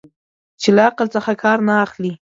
چې له عقل څخه کار نه اخلي.